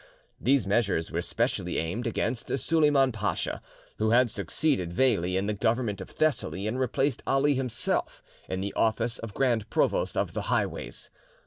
These measures were specially aimed against Suleyman Pacha, who had succeeded Veli in the government of Thessaly, and replaced Ali himself in the office of Grand Provost of the Highways.